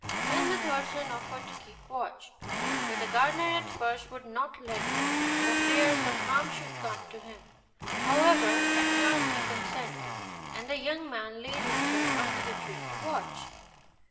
Then the third son offered to keep watch; but the gardener at first would not let him, for fear some harm should come to him: however, at last he consented, and the young man laid himself under the tree to watch.